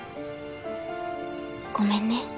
ごめんね。